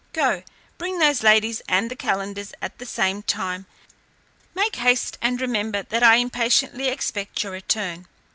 Go, bring those ladies and the calenders at the same time; make haste, and remember that I impatiently expect your return."